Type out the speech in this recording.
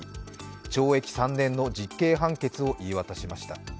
懲役３年の実刑判決を言い渡しました。